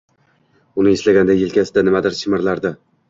Uni eslaganda yelkasida nimadir chimillardi.